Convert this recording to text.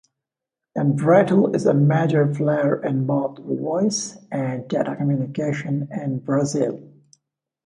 Embratel is a major player in both voice and data communication in Brazil.